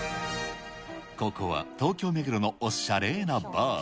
ここは東京・目黒のおっしゃれーなバー。